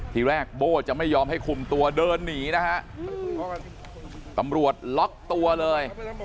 ทีแรกโบ้จะไม่ยอมให้คุมตัวเดินหนีนะฮะตำรวจล็อกตัวเลย